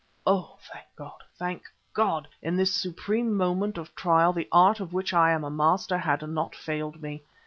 Oh! thank God, thank God! in this supreme moment of trial the art of which I am a master had not failed me.